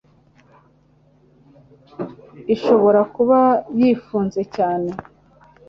ishobora kuba yifunze cyane